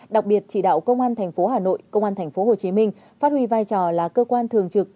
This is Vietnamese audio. đặc biệt chỉ đạo công an tp hà nội công an tp hcm phát huy vai trò là cơ quan thường trực